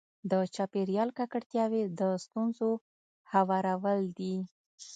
د چاپېریال ککړتیاوې د ستونزو هوارول دي.